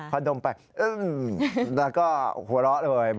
พอดมไปอึ้งแล้วก็หัวเราะเลย